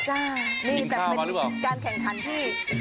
จ้ะนี่แต่มันเป็นการแข่งขันที่